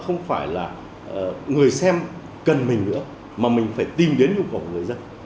không phải là người xem cần mình nữa mà mình phải tìm đến nhu cầu của người dân